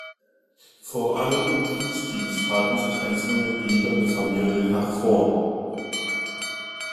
Vor allem im Kriegsdienst taten sich einzelne Glieder der Familie hervor.